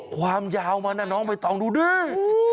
ความยาวมันนะน้องใบตองดูดิ